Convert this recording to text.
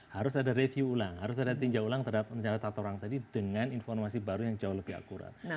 harus ada review ulang harus ada tinjau ulang tata ruang tadi dengan informasi baru yang jauh lebih akurat